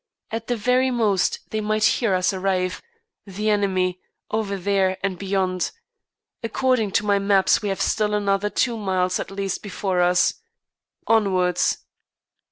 At the very most they might hear us arrive, the enemy, over there and beyond. According to my maps we have still another two miles at least before us. Onwards!